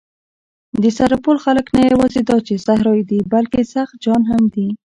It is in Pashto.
د سرپل خلک نه یواځې دا چې صحرايي دي، بلکې سخت جان هم دي.